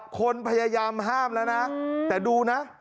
คนพยายามห้ามแล้วนะแต่ดูนะ